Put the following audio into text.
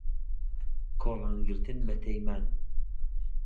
کۆڵان گرتن بە تەیمان